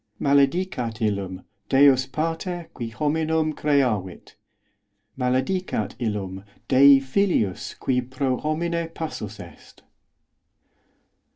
os Maledicat illum Deus Pater qui homi os nem creavit. Maledicat illum Dei Filius qui pro homine passus est.